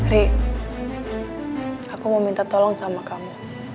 ri aku mau minta tolong sama kamu